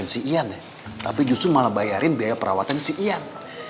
neng ini orang yang bayarin si iyan ya tapi justru malah bayarin biaya pelewatan si iyan